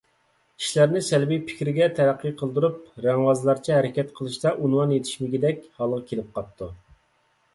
ئىشلارنى سەلبىي پىكىرگە تەرەققى قىلدۇرۇپ رەڭۋازلارچە ھەرىكەت قىلىشتا ئۇنۋان يېتىشمىگىدەك ھالغا كېلىپ قاپتۇ.